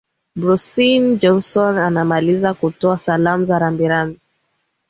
boris johnson anamaliza kutoa salaam za rambirambi